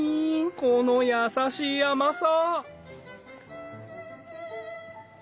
この優しい甘さ！